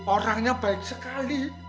orangnya baik sekali